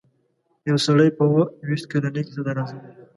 یو سړی چې په اووه ویشت کلنۍ کې صدراعظم وي.